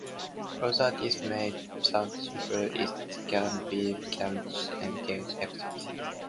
Although this may sound simple, it can be challenging to achieve.